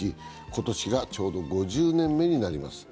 今年がちょうど５０年目になります。